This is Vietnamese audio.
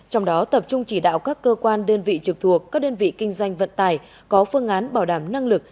trong đó tập trung chỉ đạo các cơ quan đơn vị trực thuộc các đơn vị kinh doanh vận tải có phương án bảo đảm năng lực